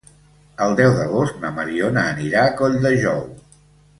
El deu d'agost na Mariona anirà a Colldejou.